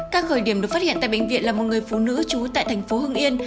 các khởi điểm được phát hiện tại bệnh viện là một người phụ nữ trú tại thành phố hưng yên